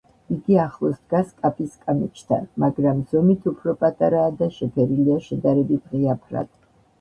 იგი ახლოს დგას კაპის კამეჩთან, მაგრამ ზომით უფრო პატარაა და შეფერილია შედარებით ღია ფრად.